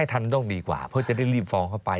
ทันต้องดีกว่าเพราะจะได้รีบฟ้องเข้าไป